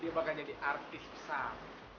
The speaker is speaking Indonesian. dia bahkan jadi artis besar